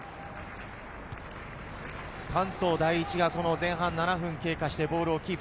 関東第一が前半７分経過してボールをキープ。